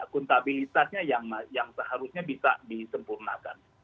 akuntabilitasnya yang seharusnya bisa disempurnakan